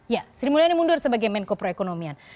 ya sri mulyani mundur sebagai menko perekonomian